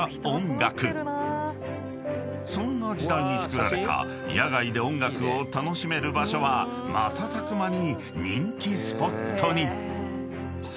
［そんな時代に造られた野外で音楽を楽しめる場所は瞬く間に人気スポットに］